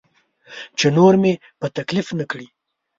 چې نور مې په تکلیف نه کړي.